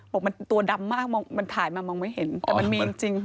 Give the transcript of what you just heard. บอกมันตัวดำมากมองมันถ่ายมามองไม่เห็นแต่มันมีจริง